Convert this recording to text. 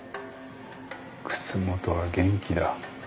楠本は元気だ。